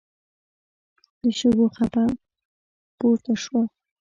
د شګو څپه پورته شوه.